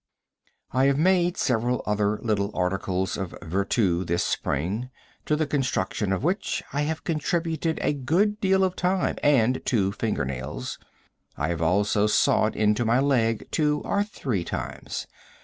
I have made several other little articles of vertu this spring, to the construction of which I have contributed a good deal of time and two finger nails. I have also sawed into my leg two or three times.